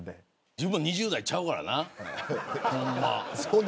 自分も２０代ちゃうからなほんま。